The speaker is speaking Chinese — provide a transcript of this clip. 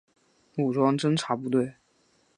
武装侦察部队。